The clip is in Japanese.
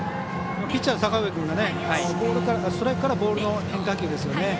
ピッチャーの阪上君ストライクからボールの変化球ですよね。